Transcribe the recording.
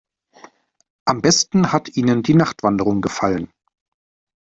Am besten hat ihnen die Nachtwanderung gefallen.